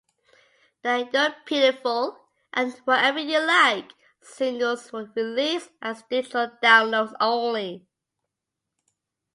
The "You're Pitiful" and "Whatever You Like" singles were released as digital downloads only.